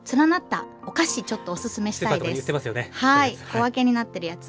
小分けになってるやつ。